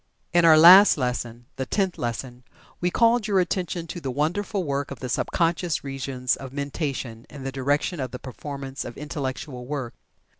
In our last lesson (the Tenth Lesson) we called your attention to the wonderful work of the sub conscious regions of mentation in the direction of the performance of Intellectual work.